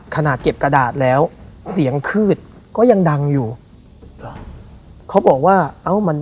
ขณะเก็บกระดาษแล้วเสียงพืชก็ยังดังอยู่หรอเขาบอกว่าเอ้ามัน